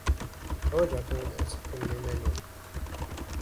Ḥwajeɣ-ken ad tḥekmem iman-nwen.